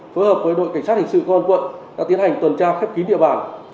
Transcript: phối hợp với đội cảnh sát hình sự công an quận đã tiến hành tuần tra khép kín địa bàn